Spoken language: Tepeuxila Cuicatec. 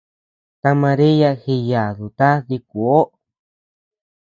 Ta María jiyaduta dikuoʼo.